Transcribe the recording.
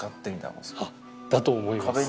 だと思います。